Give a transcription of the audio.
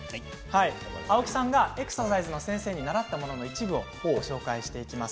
青木さんがエクササイズの先生に習ったものの一部をご紹介していきます。